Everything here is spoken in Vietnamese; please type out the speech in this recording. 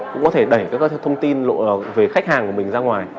cũng có thể đẩy các thông tin về khách hàng của mình ra ngoài